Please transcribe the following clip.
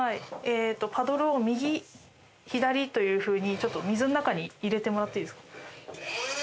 えーと、パドルを、右、左というふうに、ちょっと水の中に入れてもらっていいですか。